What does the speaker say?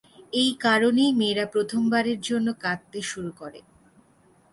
এই কারণেই মেয়েরা প্রথমবারের জন্য কাঁদতে শুরু করে।